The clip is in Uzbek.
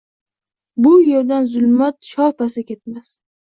Bu yerdan zulumot sharpasi ketmas.